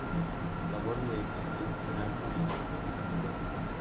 Sabor medianamente ácido y con cuerpo.